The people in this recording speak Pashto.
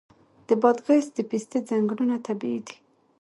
د بادغیس د پستې ځنګلونه طبیعي دي.